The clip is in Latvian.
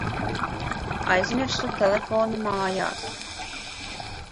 Aizmirsu telefonu mājās.